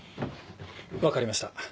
分かりました。